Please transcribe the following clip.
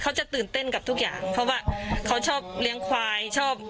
เขาจะตื่นเต้นกับทุกอย่างเพราะว่าเขาชอบเลี้ยงควายชอบ